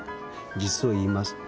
実を言いますと。